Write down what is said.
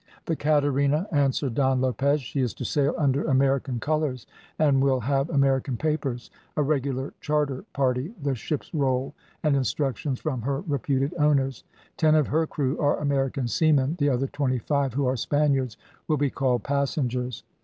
"The Caterina," answered Don Lopez. "She is to sail under American colours, and will have American papers; a regular charter party, the ship's roll, and instructions from her reputed owners. Ten of her crew are American seamen, the other twenty five, who are Spaniards, will be called passengers.